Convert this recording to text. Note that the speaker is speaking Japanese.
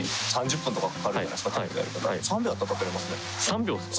３秒ですか？